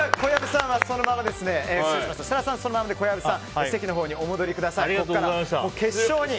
設楽さんはそのままで小籔さんは席のほうにお戻りください。